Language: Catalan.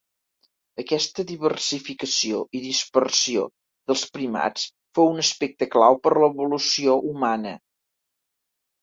Aquesta diversificació i dispersió dels primats fou un aspecte clau per l'evolució humana.